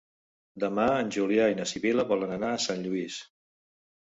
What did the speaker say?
Demà en Julià i na Sibil·la volen anar a Sant Lluís.